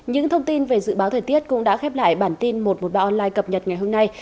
những thông tin về dự báo thời tiết cũng đã khép lại bản tin một trăm một mươi ba online cập nhật ngày hôm nay